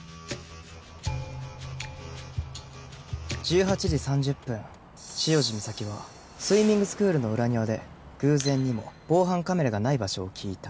１８時３０分潮路岬はスイミングスクールの裏庭で偶然にも防犯カメラがない場所を聞いた。